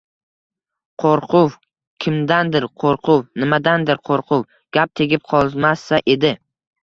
Qo‘rquv! Kimdandir qo‘rquv, nimadandir qo‘rquv: gap tegib qolmasa edi.